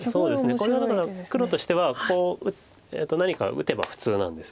これはだから黒としてはここを何か打てば普通なんです。